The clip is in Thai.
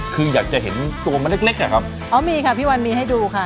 คืออยากจะเห็นตัวมันเล็กเล็กอ่ะครับอ๋อมีค่ะพี่วันมีให้ดูค่ะ